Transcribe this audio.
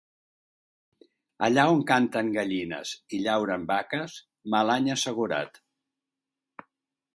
Allà on canten gallines i llauren vaques, mal any assegurat.